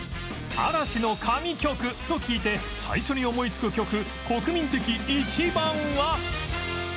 「嵐の神曲」と聞いて最初に思いつく曲国民的１番は？